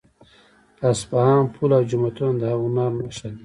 د اصفهان پل او جوماتونه د هنر نښه دي.